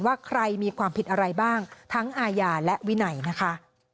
ว่าใครมีความผิดอะไรบ้างทั้งอาญาและวินัยนะคะ